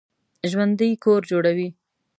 ژوندي کور جوړوي